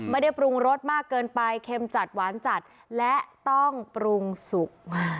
ปรุงรสมากเกินไปเค็มจัดหวานจัดและต้องปรุงสุก